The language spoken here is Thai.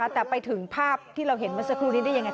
แต่ไปถึงภาพที่เราเห็นเมื่อสักครู่นี้ได้ยังไงค